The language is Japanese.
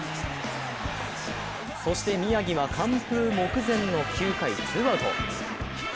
そして宮城は完封目前の９回ツーアウト。